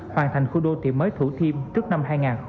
hoàn thành khu đô thị mới thủ thiêm trước năm hai nghìn hai mươi